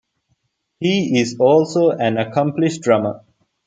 He is also an accomplished drummer.